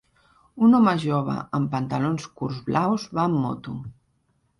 Un home jove amb pantalons curts blaus va en moto.